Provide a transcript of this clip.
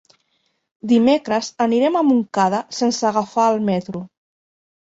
Dimecres anirem a Montcada sense agafar el metro.